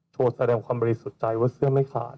แสดงความบริสุทธิ์ใจว่าเสื้อไม่ขาด